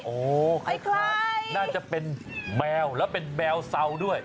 โอ้โหคล้ายน่าจะเป็นแมวแล้วเป็นแมวเซาด้วย